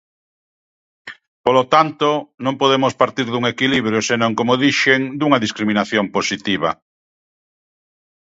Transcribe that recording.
Polo tanto, non podemos partir dun equilibrio, senón –como dixen– dunha discriminación positiva.